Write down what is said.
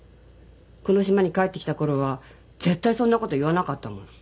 この島に帰って来たころは絶対そんなこと言わなかったのに。